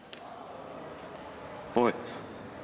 おい！